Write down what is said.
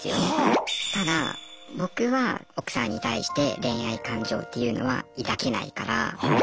ただ僕は奥さんに対して恋愛感情っていうのは抱けないから。